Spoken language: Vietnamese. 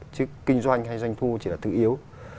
chứ kinh doanh hay doanh thu chỉ là thứ yếu